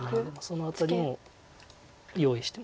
その辺りも用意してます。